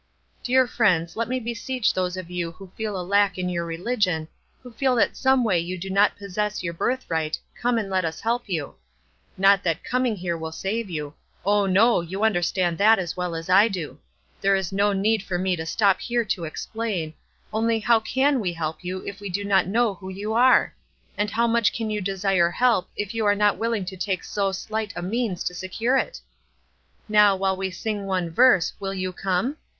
Dear friends, let me beseech those of you who feel a lack in your religion, who feel that someway you do not possess your birthright, come and let us help you. Not that coming here will save you. Oh, no, you under stand that as well as I do ; there is no need for me to stop here to explain — only how can we help you if we do not know who you are? and how much can you desire help if you are not willing to take so slight a means to secure it? Now while we sing one verse will you come?